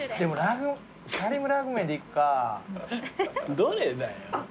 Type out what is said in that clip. どれだよ。